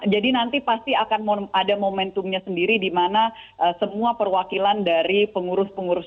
jadi nanti pasti akan ada momentumnya sendiri di mana semua perwakilan dari pengurus pengurus